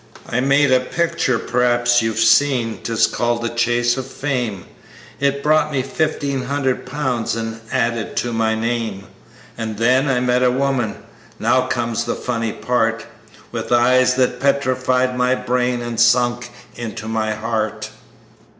"I made a picture perhaps you've seen, 'tis called the `Chase of Fame.' It brought me fifteen hundred pounds and added to my name, And then I met a woman now comes the funny part With eyes that petrified my brain, and sunk into my heart.